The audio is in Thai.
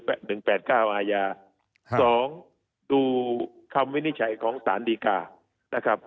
แปะหนึ่งแปดเก้าอาญาสองดูคำวินิจฉัยของศาลดีการ์นะครับ